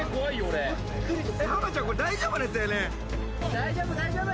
大丈夫、大丈夫。